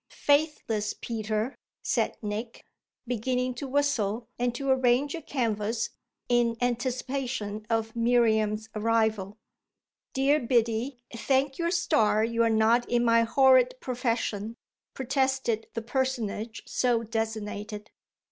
"Faithless Peter!" said Nick, beginning to whistle and to arrange a canvas in anticipation of Miriam's arrival. "Dear Biddy, thank your stars you're not in my horrid profession," protested the personage so designated.